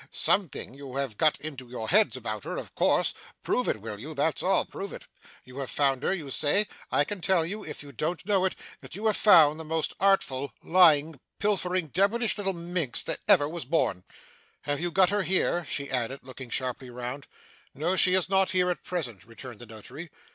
Something you have got into your heads about her, of course. Prove it, will you that's all. Prove it. You have found her, you say. I can tell you (if you don't know it) that you have found the most artful, lying, pilfering, devilish little minx that was ever born. Have you got her here?' she added, looking sharply round. 'No, she is not here at present,' returned the Notary.